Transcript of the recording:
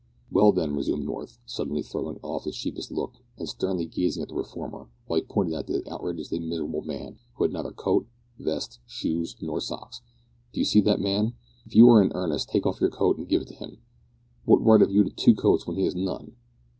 "Well, then," resumed North, suddenly throwing off his sheepish look and sternly gazing at the reformer while he pointed to the outrageously miserable man, who had neither coat, vest, shoes, nor socks, "do you see that man? If you are in earnest, take off your coat and give it to him. What right have you to two coats when he has none?"